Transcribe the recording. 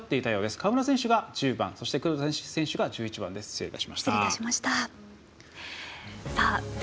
川村選手が１０番黒田選手が１１番です。